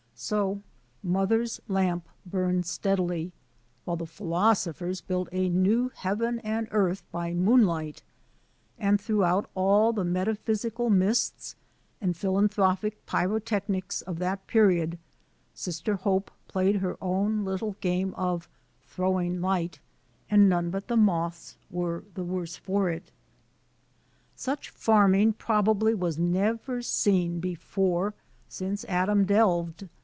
So "mother's lamp" burned steadily, while the philosophers built a new heaven and earth by Digitized by VjOOQ IC 158 BRONSON ALCOTT'S FRUITLANDS moonlight; and through all the metaphysical mists and philanthropic pyrotechnics of that period Sister Hope played her own little game of "throwing light," and none but the moths were the worse for it. Such farming probably was never seen before since Adam delved.